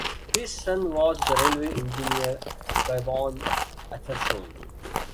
His son was the railway engineer Guybon Atherstone.